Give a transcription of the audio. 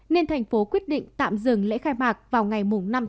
nên thành phố quyết định tạm dừng lễ khai bạc vào ngày năm bốn